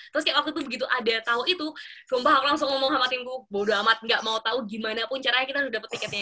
terus kayak waktu itu begitu ada tahu itu sumpah aku langsung ngomong sama timku bodo amat gak mau tahu gimana pun caranya kita udah dapet tiketnya itu